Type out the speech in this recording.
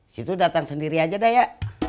situ datang sendiri aja deh ya